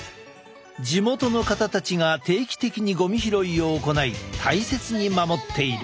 地元の方たちが定期的にゴミ拾いを行い大切に守っている。